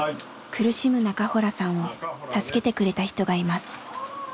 苦しむ中洞さんを助けてくれた人がいます。